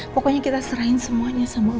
pokoknya kita serahin semuanya sama allah